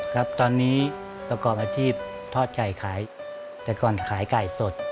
ครับตอนนี้ประกอบอาทิตย์ทอดไข่แต่ก่อนขายไก่สด